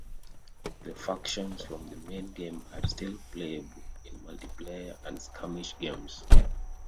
The factions from the main game are still playable in multiplayer and skirmish games.